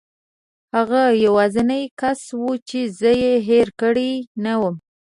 هغه یوازینی کس و چې زه یې هېره کړې نه وم.